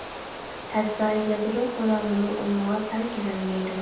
ھەتتا يادرو قورالىمۇ ئۇنىڭغا تەڭ كېلەلمەيدۇ.